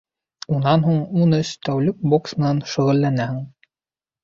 Унан һуң ун өс тәүлек бокс менән шөғөлләнәһең.